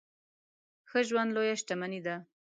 ښه ژوند لويه شتمني ده.